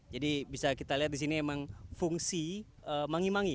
jadi bisa kita lihat di sini memang fungsi mangi mangi